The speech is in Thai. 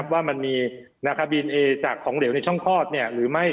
ว่ามันมีนะคะบีนจากหรือไม่